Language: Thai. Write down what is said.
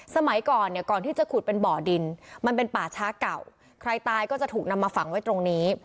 สมัยก่อนเนี่ยก่อนที่จะขุดเป็นบ่อดินมันเป็นป่าช้าเก่าใครตายก็จะถูกนำมาฝังไว้ตรงนี้